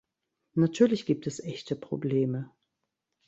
Natürlich gibt es echte Probleme.